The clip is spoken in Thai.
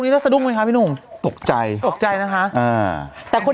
ทำไมมาก